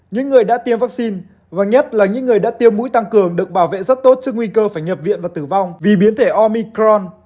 những người đã tiêm vaccine và nhất là những người đã tiêm mũi tăng cường được bảo vệ rất tốt trước nguy cơ phải nhập viện và tử vong vì biến thể omicron